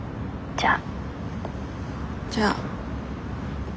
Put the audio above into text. じゃあ。